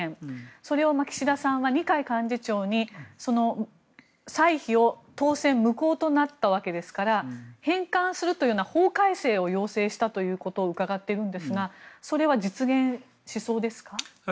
それを岸田さんは二階幹事長に歳費を当選無効となったわけですから返還するというような法改正を要請したということを伺っているんですがそれは実現しそうですか？